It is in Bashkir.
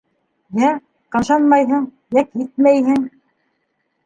Йә ҡымшанмайһың, йә китмәйһең.